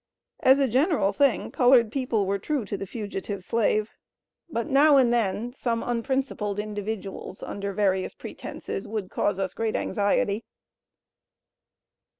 As a general thing, colored people were true to the fugitive slave; but now and then some unprincipled individuals, under various pretenses, would cause us great anxiety.